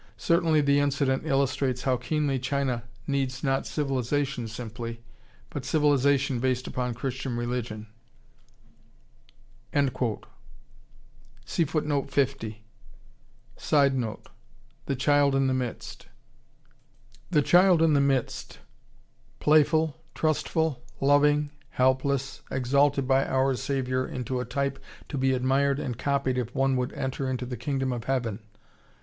Certainly the incident illustrates how keenly China needs not civilization simply, but civilization based upon Christian religion." [Sidenote: "The child in the midst."] "The child in the midst," playful, trustful, loving, helpless, exalted by our Saviour into a type to be admired and copied if one would enter into the Kingdom of Heaven!